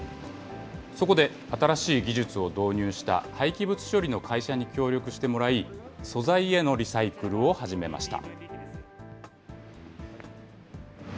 そこで、新しい技術を導入した廃棄物処理の会社に協力してもらい、素材へのリサイクルを始めました。